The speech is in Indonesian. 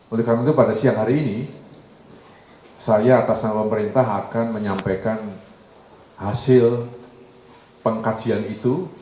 oleh karena itu pada siang hari ini saya atas nama pemerintah akan menyampaikan hasil pengkajian itu